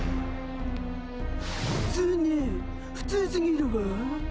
普通ね普通すぎるわ。